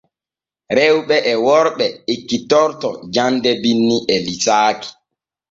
Rewɓe e worɓe ekkitorto jande binni e liisaaki.